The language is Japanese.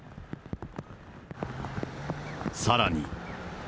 さらに。